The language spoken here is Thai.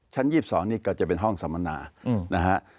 ชั้น๒๒นี่ก็จะเป็นห้องสำนาค์